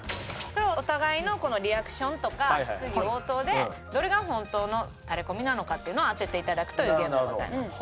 それをお互いのリアクションとか質疑応答でどれが本当のタレコミなのかっていうのを当てて頂くというゲームでございます。